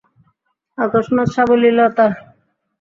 অকস্মাৎ, সাবলীলতা।